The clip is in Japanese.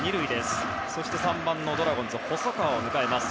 打席には３番のドラゴンズ、細川を迎えます。